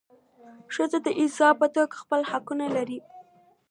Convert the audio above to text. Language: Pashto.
ښځه د انسان په توګه خپل حقونه لري.